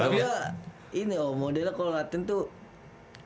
tapi ya ini om modelnya kalau ngeliatin tuh